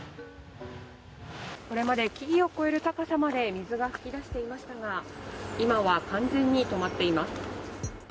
これまで木々を超える高さまで水が噴き出していましたが、今は完全に止まっています。